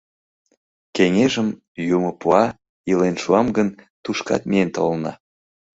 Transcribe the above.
— Кеҥежым, Юмо пуа, илен шуам гын, тушкат миен толына.